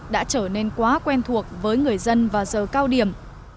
đã trở nên quá quen thuộc với người dân vào giờ cao điểm